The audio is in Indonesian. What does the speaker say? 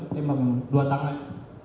tembak dua tangan